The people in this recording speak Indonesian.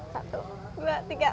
satu dua tiga